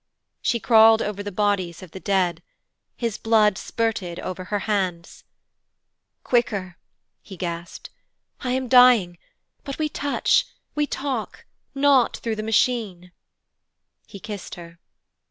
She crawled over the bodies of the dead. His blood spurted over her hands. 'Quicker,' he gasped, 'I am dying but we touch, we talk, not through the Machine.' He kissed her.